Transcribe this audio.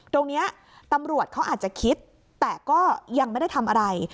ตรงนี้ตำรวจเขาอาจจะคิดแต่ก็ยังไม่ได้ทำอะไร